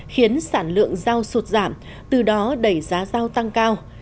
khiến sản lượng rau sụt giảm từ đó đẩy giá rau tăng cao